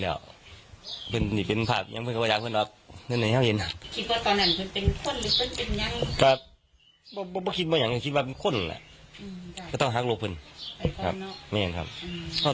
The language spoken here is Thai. แล้วสิ่งนี้ไม่เป็นผิดไหวอ่ะหัวเห็นคิดว่าตอนนั้นเป็นคนหรือเป็นอย่างมากที่มาที่มันคุณต้องฮักหัวเพิ่งเว้นครับห้อง